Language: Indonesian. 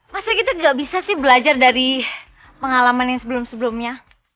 masa kita gak bisa sih belajar dari pengalaman yang sebelum sebelumnya